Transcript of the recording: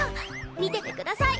見ててください。